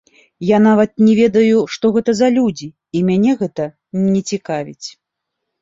Я нават не ведаю, што гэта за людзі і мяне гэта не цікавіць.